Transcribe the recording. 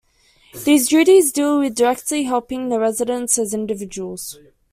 These duties deal with directly helping the residents as individuals.